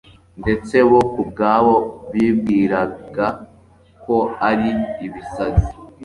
ndetse bo ku bwabo bibwiraga ko ari ibisazi